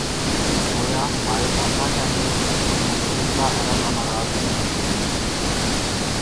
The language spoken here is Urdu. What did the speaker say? گویا ہمارے آقا ٹھہرے اور متحدہ عرب امارات کے مزدور۔